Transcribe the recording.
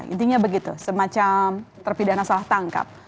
intinya begitu semacam terpidana salah tangkap